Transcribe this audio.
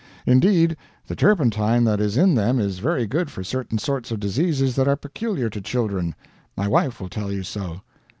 Indeed, the turpentine that is in them is very good for certain sorts of diseases that are peculiar to children. My wife will tell you so."